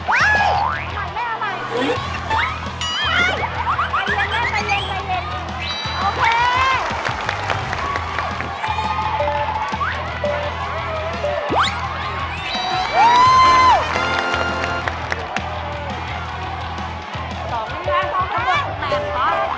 เอ๊ะเอาใหม่